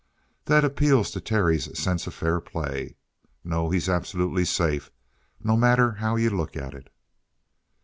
That appeals to Terry's sense of fair play. No, he's absolutely safe, no matter how you look at it."